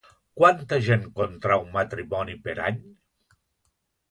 Quanta gent contrau matrimoni per any?